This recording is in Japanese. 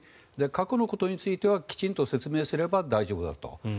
過去のことについてはきちんと説明すれば大丈夫だと。